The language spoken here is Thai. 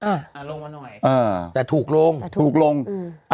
เออเอาลงมาหน่อยเออแต่ถูกลงถูกลงอืม